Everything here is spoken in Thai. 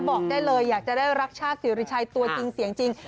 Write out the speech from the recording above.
บอกได้เลยอยากจะได้รักชาติศิริชัยตัวจริงเสียงจริง